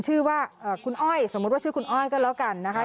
ชื่อว่าคุณอ้อยสมมุติว่าชื่อคุณอ้อยก็แล้วกันนะคะ